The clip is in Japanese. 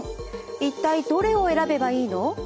一体どれを選べばいいの？